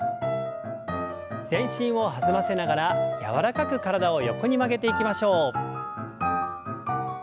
全身を弾ませながら柔らかく体を横に曲げていきましょう。